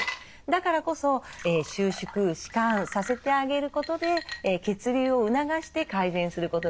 だからこそ収縮弛緩させてあげることで血流を促して改善することができる。